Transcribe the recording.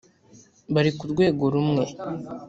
bari ku rwego rumwe